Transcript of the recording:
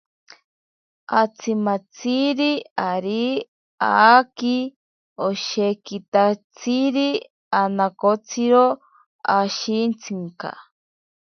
Atsimashiri ari aaki oshekitatsiri anakotsiro ashintsinka.